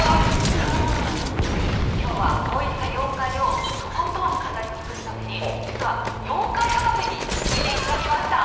今日はこういった妖怪をとことん語り尽くすために実は妖怪博士においで頂きました。